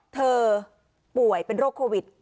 ป่วยเป็นโรคโควิด